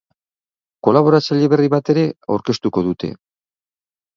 Kolaboratzaile berri bat ere aurkeztuko dute.